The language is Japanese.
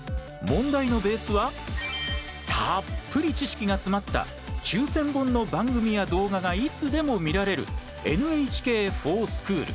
問題のベースはたっぷり知識が詰まった９０００本の番組や動画がいつでも見られるＮＨＫｆｏｒＳｃｈｏｏｌ。